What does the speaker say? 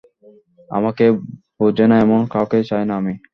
আমাকে বোঝেনা এমন কাউকেই চাই না আমি।